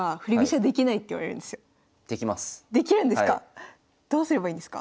できるんですか！